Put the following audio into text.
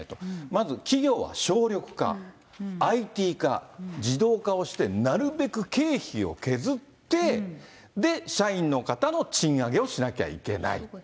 まず企業は省力化、ＩＴ化、自動化をしてなるべく経費を削って、で、社員の方の賃上げをしなきゃいけない。